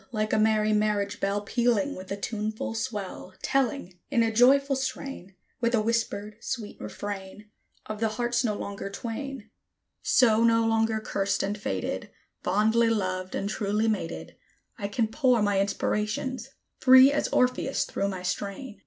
Like a merry marriage bell, Pealing with a tuneful swell, Telling, in a joyful strain, With a whispered, sweet refrain, Of the hearts no longer twain; So no longer cursed and fated, Fondly loved and truly mated, I can pour my inspirations, free as Orpheus, through my strain.